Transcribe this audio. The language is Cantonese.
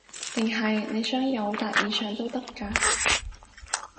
定係你想友達以上都得㗎